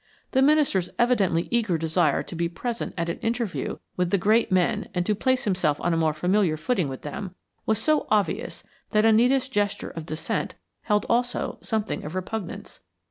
The minister's evidently eager desire to be present at an interview with the great men and to place himself on a more familiar footing with them was so obvious that Anita's gesture of dissent held also something of repugnance.